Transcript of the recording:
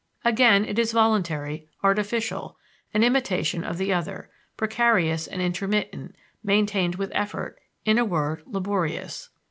Again, it is voluntary, artificial, an imitation of the other, precarious and intermittent, maintained with effort in a word, laborious.